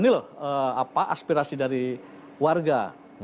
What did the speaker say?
ini loh aspirasi dari warga